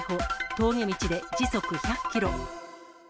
峠道で時速１００キロ。